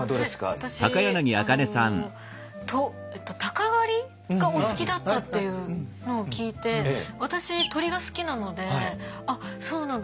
私あの鷹狩りがお好きだったっていうのを聞いて私鳥が好きなのであっそうなんだ